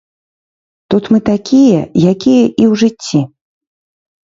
Тут мы такія, якія і ў жыцці.